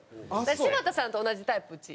柴田さんと同じタイプうち。